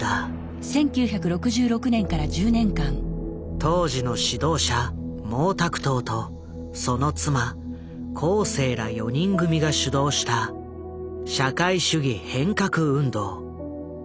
当時の指導者毛沢東とその妻江青ら四人組が主導した社会主義変革運動。